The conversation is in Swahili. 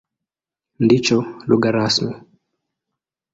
Ndicho lugha rasmi.